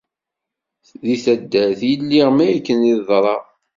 Di taddart i lliɣ mi akken i teḍra.